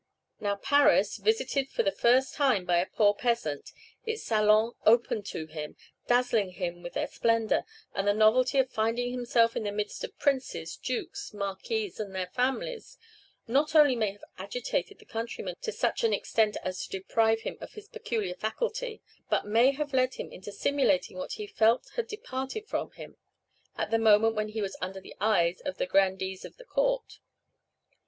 Now, Paris, visited for the first time by a poor peasant, its salons open to him, dazzling him with their splendor, and the novelty of finding himself in the midst of princes, dukes, marquises, and their families, not only may have agitated the countryman to such an extent as to deprive him of his peculiar faculty, but may have led him into simulating what he felt had departed from him, at the moment when he was under the eyes of the grandees of the Court.